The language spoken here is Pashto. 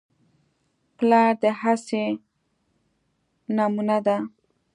پلار د هڅې نمونه ده.